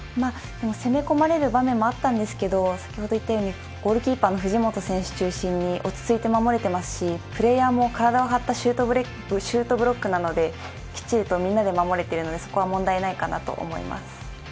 攻め込まれる場面もあったんですけどゴールキーパーの藤本選手中心に落ち着いて守れていますし、プレーヤーも体を張ったシュートブロックなのできっちりとみんなで守れているので、そこは問題ないかなと思います。